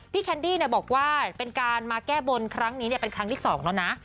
แคนดี้บอกว่าเป็นการมาแก้บนครั้งนี้เป็นครั้งที่๒แล้วนะ